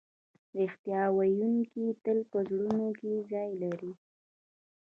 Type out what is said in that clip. رښتیا ویونکی تل په زړونو کې ځای لري.